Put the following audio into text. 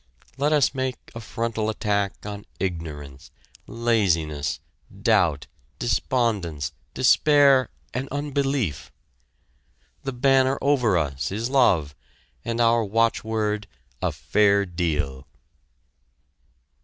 Let us make a frontal attack on ignorance, laziness, doubt, despondence, despair, and unbelief! The banner over us is "Love," and our watchword "A Fair Deal."